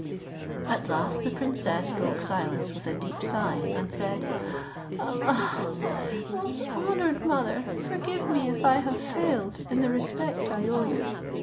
At last the princess broke silence with a deep sigh, and said, "Alas! most honoured mother, forgive me if I have failed in the respect I owe you.